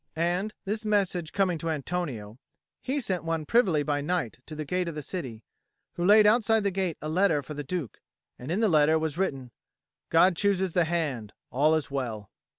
And, this message coming to Antonio, he sent one privily by night to the gate of the city, who laid outside the gate a letter for the Duke; and in the letter was written, "God chooses the hand. All is well."